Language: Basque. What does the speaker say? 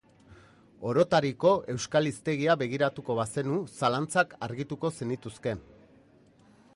Orotariko euskal hiztegia begiratuko bazenu, zalantzak argituko zenituzke.